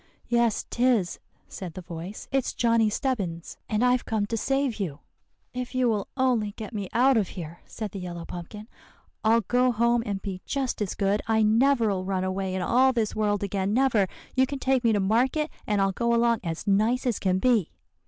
"'Yes 'tis,' said the voice, 'it's Johnny Stebbins, and I've come to save you.' "'If you will only get me out of here,' said the yellow pumpkin, 'I'll go home and be just as good. I never'll run away in all this world again, never. You can take me to market, and I'll go along as nice as can be.